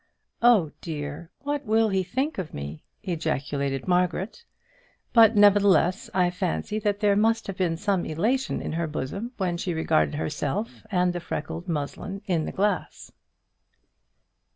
"Oh, dear, what will he think of me?" ejaculated Margaret; but nevertheless I fancy that there must have been some elation in her bosom when she regarded herself and the freckled muslin in the glass.